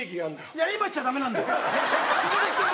いや今言っちゃダメなんだよ。